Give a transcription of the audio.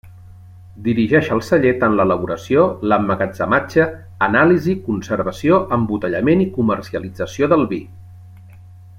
Dirigeix al celler tant l'elaboració, l'emmagatzematge, anàlisi, conservació, embotellament i comercialització del vi.